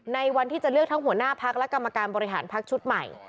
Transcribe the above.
ในวันที่จะเลือกทั้งหัวหน้าพักและกรรมการบริหารพักชุดใหม่